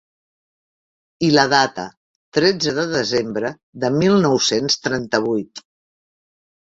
I la data, tretze de desembre de mil nou-cents trenta-vuit.